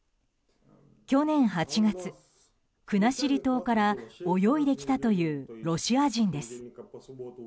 去年８月、国後島から泳いできたというロシア人です。